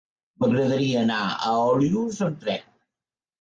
M'agradaria anar a Olius amb tren.